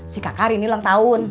si kakak ini ulang tahun